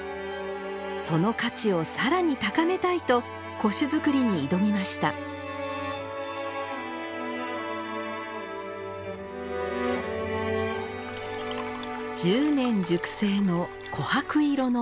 その価値を更に高めたいと古酒造りに挑みました１０年熟成の琥珀色の古酒。